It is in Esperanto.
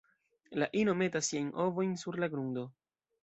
La ino metas siajn ovojn sur la grundo.